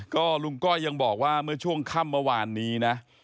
ก็ลุงก้อยยังบอกว่าเมื่อช่วงค่ำเมื่อวานนี้นะ